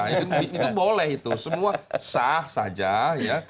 itu boleh itu semua sah saja ya